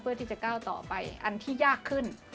เพื่อที่จะก้าวต่อไปอันที่ยากขึ้น